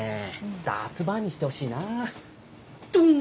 ダーツバーにしてほしいなぁトゥン！